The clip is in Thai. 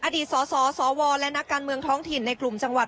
อดีตสสวและนักการเมืองท้องถิ่นในกลุ่มจังหวัด